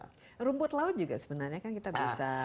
rumput laut juga sebenarnya kan kita bisa